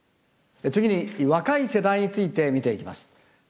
次に若い世代について見ていきます。